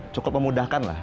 cukup memudahkan lah